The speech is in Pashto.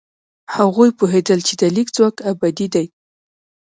هغوی پوهېدل چې د لیک ځواک ابدي دی.